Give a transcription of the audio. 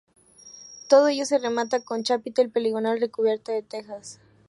Todo ello se remata con chapitel poligonal recubierto de tejas.